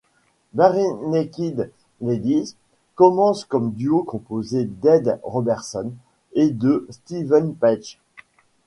Barenaked Ladies commence comme duo composé d'Ed Robertson et de Steven Page.